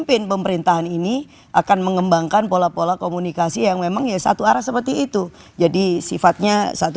pemimpin pemerintahan ini akan mengembangkan pola pola komunikasi yang memang ya satu arah seperti itu jadi sifatnya satu